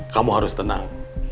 kamu harus tenang